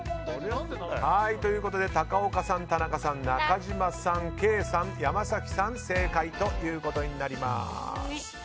ということで高岡さん、田中さん、中島さんケイさん、山崎さん正解となります。